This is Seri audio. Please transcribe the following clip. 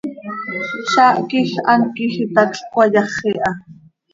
Zaah quij hant quij itacl cöcayaxi ha.